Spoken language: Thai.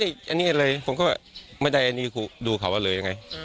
หะผมก็ไม่ได้อันนี้เลยผมก็ไม่ได้อันนี้ดูเขาอะเลยไง